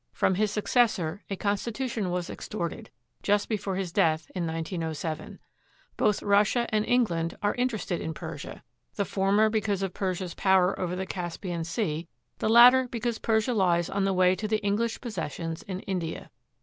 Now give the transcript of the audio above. From his successor a constitution was extorted just before his death in 1907. Both Russia and England are interested in Persia: the former because of Persia's power over the Caspian Sea; the latter because Persia lies on the way to the English possessions in India.